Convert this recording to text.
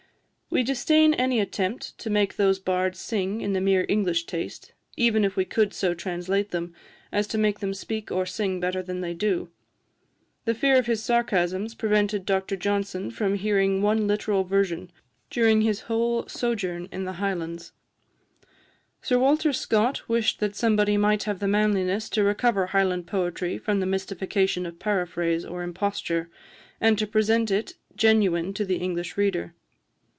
We disdain any attempt to make those bards sing in the mere English taste, even if we could so translate them as to make them speak or sing better than they do. The fear of his sarcasms prevented Dr Johnson from hearing one literal version during his whole sojourn in the Highlands. Sir Walter Scott wished that somebody might have the manliness to recover Highland poetry from the mystification of paraphrase or imposture, and to present it genuine to the English reader.